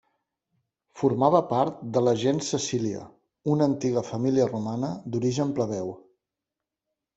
Formava part de la gens Cecília, una antiga família romana d'origen plebeu.